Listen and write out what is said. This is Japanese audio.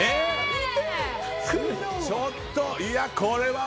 ちょっといや、これは。